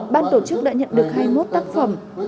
ban tổ chức đã nhận được hai mươi một tác phẩm